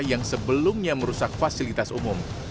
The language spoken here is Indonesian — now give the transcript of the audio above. yang sebelumnya merusak fasilitas umum